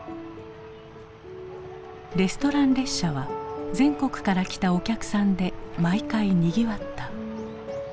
レストラン列車は全国から来たお客さんで毎回にぎわった。